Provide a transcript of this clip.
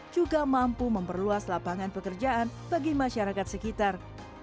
juga mampu memperluas lapangan pekerjaan bagi masyarakat sekitar